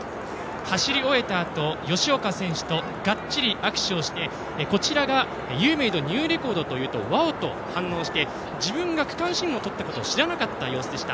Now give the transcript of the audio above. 走り終えたあと、吉岡選手とがっちり握手をしてこちらがユー・メイド・ニュー・レコードと話すとワオッ！と反応して自分が区間新をとったことを知らなかった様子でした。